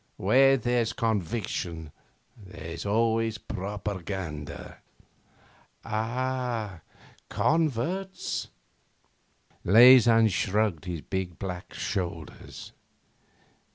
Where there's conviction there's always propaganda.' 'Ah, converts ?' Leysin shrugged his big black shoulders.